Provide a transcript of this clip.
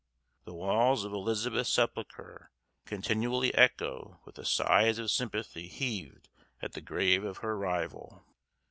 The walls of Elizabeth's sepulchre continually echo with the sighs of sympathy heaved at the grave of her rival.